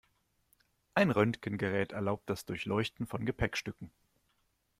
Ein Röntgengerät erlaubt das Durchleuchten von Gepäckstücken.